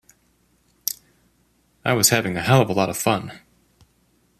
I was having a hell of a lot of fun...